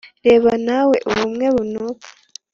Reba na we ubumwe bunuka